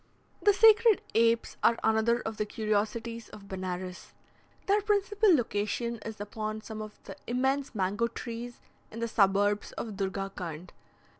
The sacred apes are another of the curiosities of Benares. Their principal location is upon some of the immense mango trees in the suburbs of Durgakund.